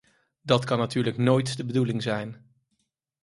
Dat kan natuurlijk nooit de bedoeling zijn.